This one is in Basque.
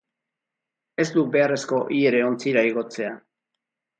Ez duk beharrezko hi ere ontzira igotzea.